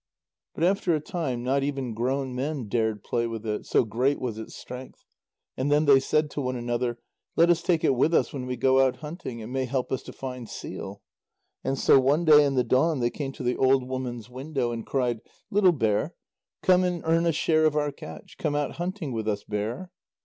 But after a time not even grown men dared play with it, so great was its strength, and then they said to one another: "Let us take it with us when we go out hunting. It may help us to find seal." And so one day in the dawn, they came to the old woman's window and cried: "Little bear, come and earn a share of our catch; come out hunting with us, bear."